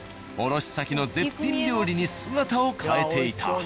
卸し先の絶品料理に姿を変えていた。